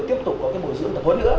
tiếp tục có cái bồi dưỡng tập huấn nữa